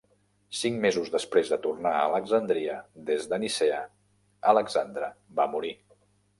Cinc mesos després de tornar a Alexandria des de Nicea, Alexandre va morir.